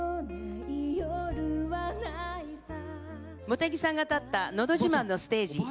茂木さんが立った「のど自慢」のステージ。